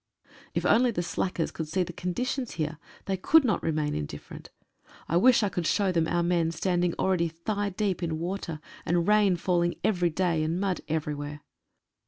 If only the slackers could see the conditions here, they could not remain indifferent. I wish I could show them our men standing already thigh deep in water, and rain falling every day, and mud everywhere.